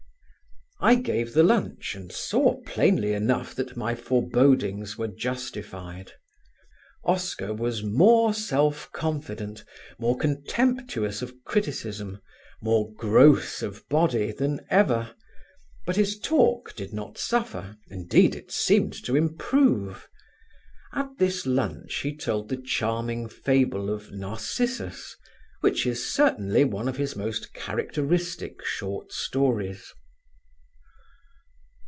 I gave the lunch and saw plainly enough that my forebodings were justified. Oscar was more self confident, more contemptuous of criticism, more gross of body than ever, but his talk did not suffer; indeed, it seemed to improve. At this lunch he told the charming fable of "Narcissus," which is certainly one of his most characteristic short stories.